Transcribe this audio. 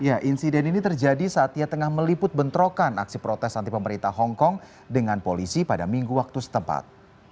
ya insiden ini terjadi saat ia tengah meliput bentrokan aksi protes anti pemerintah hongkong dengan polisi pada minggu waktu setempat